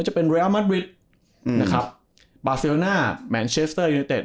จะเป็นเรียลมัดวิทนะครับบาเซลน่าแมนเชสเตอร์ยูเนเต็ด